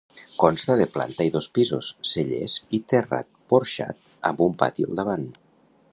Consta de planta i dos pisos, cellers i terrat porxat amb un pati al davant.